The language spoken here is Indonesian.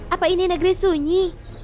apa ini negeri sunyi